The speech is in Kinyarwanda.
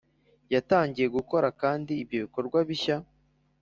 yatangiye gukora kandi ibyo bikorwa bishya